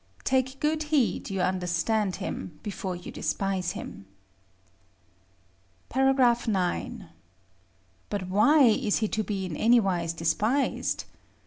Take good heed you understand him before you despise him. § IX. But why is he to be in anywise despised?